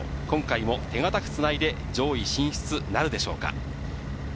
今回も手堅くつないで上位進出なるでしょうか。